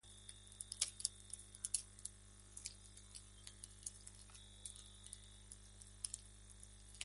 La datación de la formación Greywacke-Shale ha demostrado ser una fuente de controversia científica.